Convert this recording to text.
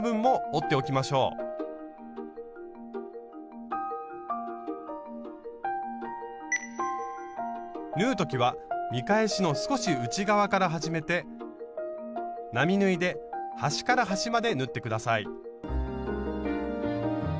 縫う時は見返しの少し内側から始めて並縫いで端から端まで縫って下さい。